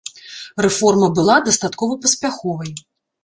Рэформа была дастаткова паспяховай.